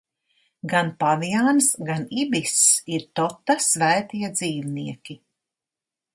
Gan paviāns, gan ibiss ir Tota svētie dzīvnieki.